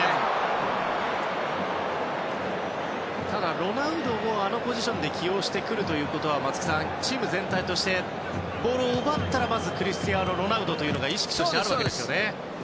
ロナウドをあのポジションで起用してくるということは松木さん、チーム全体としてボールを奪ったらまずクリスティアーノ・ロナウドというのが意識としてあるわけですよね。